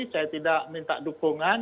saya tidak minta dukungan